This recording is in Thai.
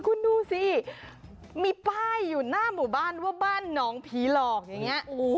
คุณดูสิมีป้ายอยู่หน้าหมู่บ้านว่าบ้านหนองผีหลอกอย่างนี้